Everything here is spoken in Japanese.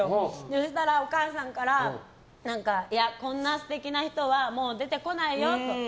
そしたら、お母さんからいや、こんな素敵な人はもう出てこないよと。